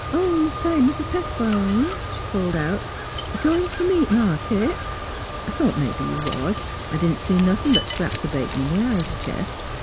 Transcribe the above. " 'N', oh, say! Mis Pettibone! " she called out, '^ goin' t' th' meat market? ... I thought mebbe you was. I didn't see nothin' but scraps o' bacon in the ice chest.